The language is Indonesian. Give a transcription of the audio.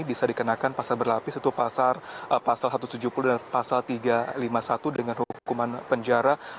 bisa dikenakan pasal berlapis yaitu pasal satu ratus tujuh puluh dan pasal tiga ratus lima puluh satu dengan hukuman penjara